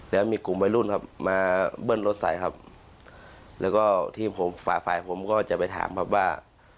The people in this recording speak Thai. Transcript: แล้วมีกลุ่มวัยรุ่นครับมาเบิ้ลรถใส่ครับแล้วก็ทีมผมฝ่าฝ่ายผมก็จะไปถามครับว่า